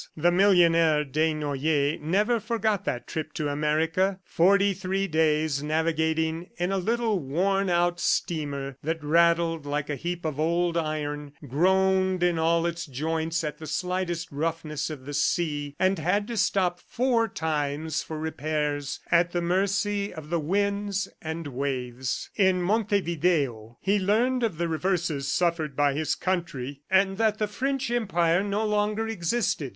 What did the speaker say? The millionaire Desnoyers never forgot that trip to America forty three days navigating in a little worn out steamer that rattled like a heap of old iron, groaned in all its joints at the slightest roughness of the sea, and had to stop four times for repairs, at the mercy of the winds and waves. In Montevideo, he learned of the reverses suffered by his country and that the French Empire no longer existed.